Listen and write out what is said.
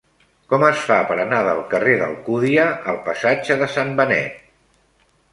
Com es fa per anar del carrer d'Alcúdia al passatge de Sant Benet?